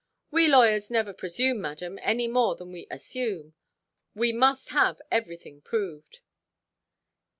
"We lawyers never presume, madam, any more than we assume. We must have everything proved."